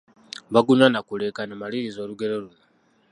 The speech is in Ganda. Bagunywa na kuleekaana, maliriza olugero luno.